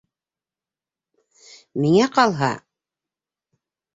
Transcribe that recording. Миңә ҡалһа...